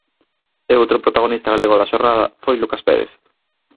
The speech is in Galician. E outro protagonista galego da xornada foi Lucas Pérez.